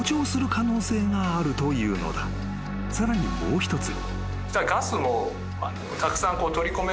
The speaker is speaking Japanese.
［さらにもう一つ］